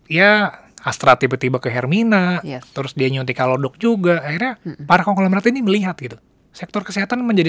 ya astra tiba tiba ke hermina terus dia nyuntik kalodok juga akhirnya para konglomerat ini melihat gitu sektor kesehatan menjadi